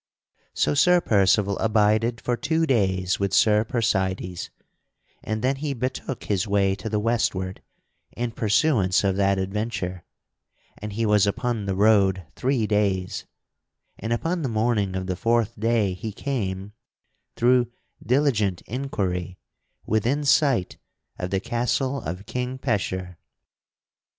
[Sidenote: Sir Percival departs for the castle of King Pecheur] So Sir Percival abided for two days with Sir Percydes and then he betook his way to the westward in pursuance of that adventure. And he was upon the road three days, and upon the morning of the fourth day he came, through diligent inquiry, within sight of the castle of King Pecheur.